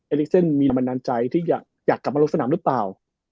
เอลิสเซนมีแต่ลมนาจใจที่อยากอยากกลับมารถการสนามหรือเปล่า